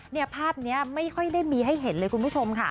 เนี่ยภาพนี้ไม่ค่อยได้มีให้เห็นเลยคุณผู้ชมค่ะ